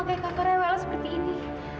makanya kava rewelnya seperti ini